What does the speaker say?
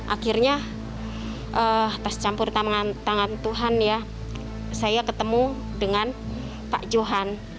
akhirnya pas campur tangan tuhan ya saya ketemu dengan pak johan